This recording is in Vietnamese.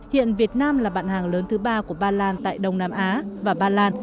hiện việt nam là bạn hàng lớn thứ ba của ba lan tại đông nam á và ba lan